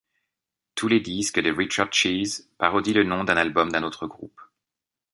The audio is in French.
Tous les disques de Richard Cheese parodient le nom d'un album d'un autre groupe.